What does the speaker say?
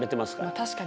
確かに。